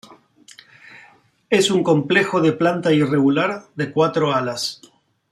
Es un complejo de planta irregular de cuatro alas.